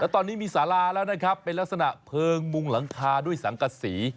ตอนนี้มีสาราแล้วนะครับเป็นลักษณะเพลิงมุงหลังคาด้วยสังกษี